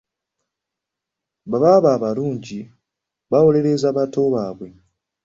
Babaaba abalungi bawolereza bato baabwe.